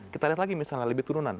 kita lihat lagi misalnya lebih turunan